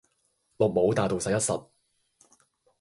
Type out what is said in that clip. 綠帽戴到實一實